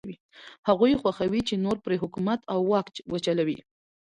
هغوی خوښوي چې نور پرې حکومت او واک وچلوي.